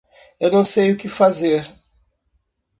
Eu não sei o que fazer.